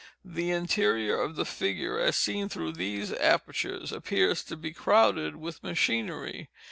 The interior of the figure, as seen through these apertures, appears to be crowded with machinery.